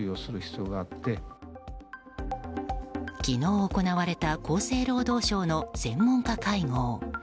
昨日行われた厚生労働省の専門家会合。